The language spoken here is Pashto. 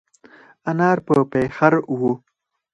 انار په پېخر وه.